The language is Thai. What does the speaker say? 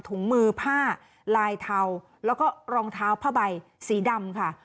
ถุงมือผ้าลายเทาแล้วก็รองเท้าผ้าใบสีดำค่ะ